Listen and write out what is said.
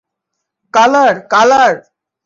Colour, colour!